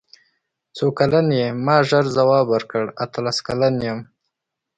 څو کلن یې ما ژر ځواب ورکړ اتلس کلن یم.